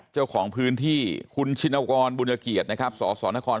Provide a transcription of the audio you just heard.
เจ้าของพื้นที่คุณชินกรบุญเกียรตินะครับสสนคร